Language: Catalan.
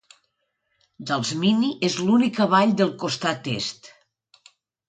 Dalsmynni és l'única vall del costat est.